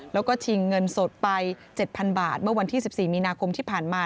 แล้วก็ชิงเงินสดไป๗๐๐บาทเมื่อวันที่๑๔มีนาคมที่ผ่านมา